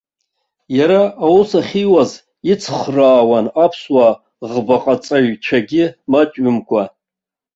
Иара аус ахьиуаз ицхраауан аԥсуа ӷбаҟаҵаҩцәагьы маҷҩымкәа.